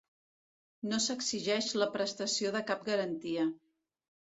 No s'exigeix la prestació de cap garantia.